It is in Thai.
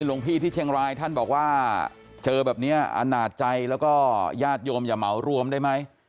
หลวงพี่ที่เชียงรายท่านบอกว่าเจอแบบนี้อนาจใจแล้วก็ญาติโยมอย่าเหมารวมได้ไหม